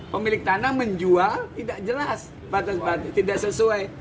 pemilik tanah menjual tidak jelas batas tidak sesuai